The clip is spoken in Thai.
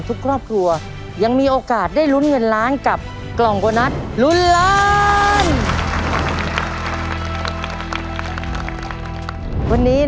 ทุกครอบครัวยังมีโอกาสได้ลุ้นเงินล้านกับกล่องโบนัสลุ้นล้าน